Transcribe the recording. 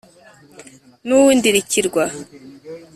N'uw'Indirikirwa